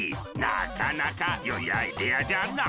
なかなかよいアイデアじゃな。